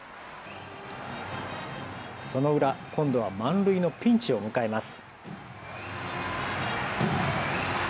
その裏、今度は満塁のピンチを迎えます。